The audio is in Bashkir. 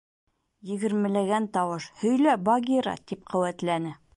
Егермеләгән тауыш: «һөйлә, Багира», — тип ҡеүәтләне.